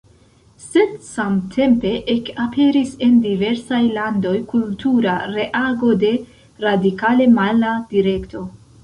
Sed samtempe ekaperis en diversaj landoj kultura reago de radikale mala direkto.